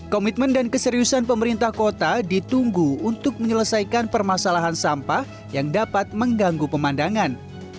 komitmen dan keseriusan pemerintah kota ditunggu untuk menyelesaikan permasalahan sampah yang dapat mengganggu pemandangan